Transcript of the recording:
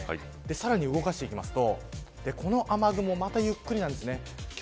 さらに動かしていくとこの雨雲マークまたゆっくりなんです。